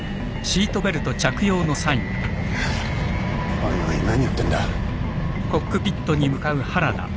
おいおい何やってんだ。